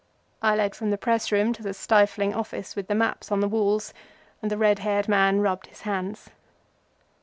I led from the press room to the stifling office with the maps on the walls, and the red haired man rubbed his hands.